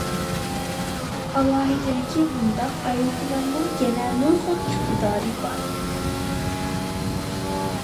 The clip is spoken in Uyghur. ئالاھىدىلىكى مۇنداق ئايروپىلاننىڭ يەنە نۇرغۇن ئىقتىدارى بار.